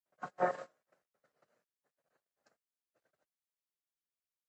مالي پالیسي باید روښانه وي.